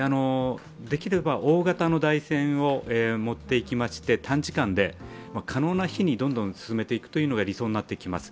できれば大型の台船を持っていきまして、短時間で、可能な日にどんどん進めていくのが理想になってきます。